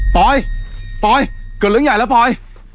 ปอยปอยเกิดเรื่องใหญ่แล้วปอย